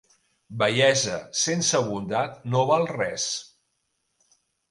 Bellesa sense bondat no val res.